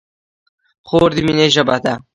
خور د مینې ژبه ده.